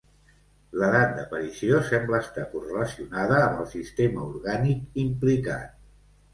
L'edat d'aparició sembla estar correlacionada amb el sistema orgànic implicat.